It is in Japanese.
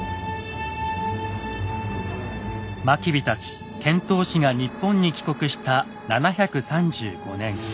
真備たち遣唐使が日本に帰国した７３５年。